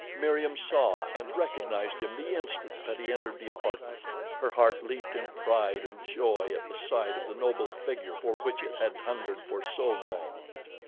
Meriem saw and recognized him the instant that he entered the apartment. Her heart leaped in pride and joy at the sight of the noble figure for which it had hungered for so long.